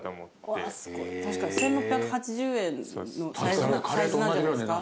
確かに１，６８０円のサイズなんじゃないですか？